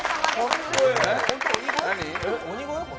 鬼越？